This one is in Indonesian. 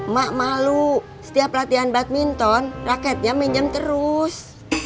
mak malu setiap latihan badminton rakyatnya minjem terus